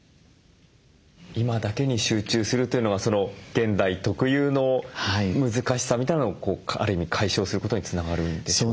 今だけに集中するというのは現代特有の難しさみたいなのをある意味解消することにつながるんでしょうか？